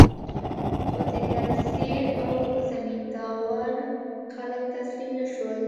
خو د ګرمسیر او زمین داور خلک تسلیم نشول.